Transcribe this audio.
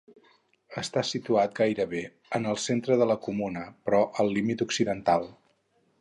Està situat gairebé en el centre de la comuna, però al límit occidental.